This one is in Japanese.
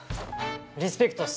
リスペクトっす。